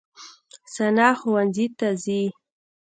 ثنا ښوونځي ته ځي.